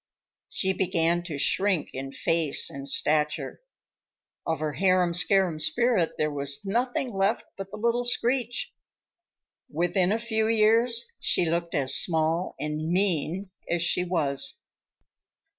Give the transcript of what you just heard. She began to shrink in face and stature. Of her harum scarum spirit there was nothing left but the little screech. Within a few years she looked as small and mean as she was.